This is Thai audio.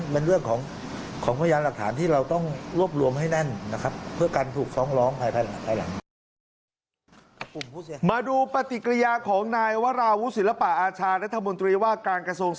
เป็นเรื่องของพยานหลักฐานที่เราต้องรวบรวมให้แน่น